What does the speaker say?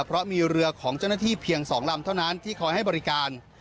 เพราะมีเรือของเจ้าหน้าที่เพียง๒ลำเท่านั้นที่คอยให้บริการ